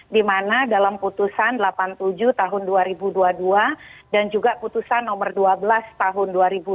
di mana dalam putusan delapan puluh tujuh tahun dua ribu dua puluh dua dan juga putusan nomor dua belas tahun dua ribu dua puluh